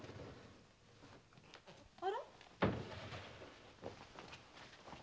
あら？